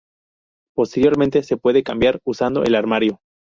Posteriormente se puede cambiar usando el armario.